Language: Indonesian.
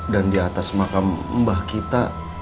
dan di atas makam mbah ketat